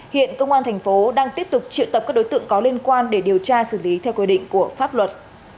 hiện công an thành phố đang tiếp tục triệu tập các đối tượng có liên quan để điều tra xử lý theo quy định của pháp luật